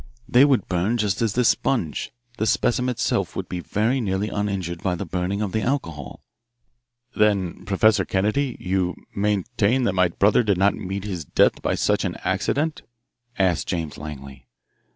They would burn just as this sponge the specimen itself would be very nearly uninjured by the burning of the alcohol." "Then, Professor Kennedy, you maintain that my brother did not meet his death by such an accident" asked James Langley.